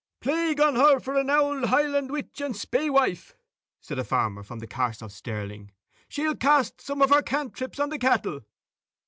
"Plague on her, for an auld Highland witch and spaewife," said a farmer from the Carse of Stirling; "she'll cast some of her cantrips on the cattle."